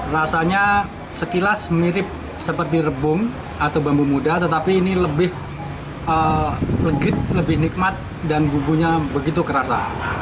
rasanya sekilas mirip seperti rebung atau bambu muda tetapi ini lebih legit lebih nikmat dan bumbunya begitu kerasa